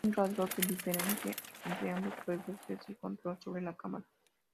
Un rasgo que difiere entre ambos juegos es el control sobre la cámara.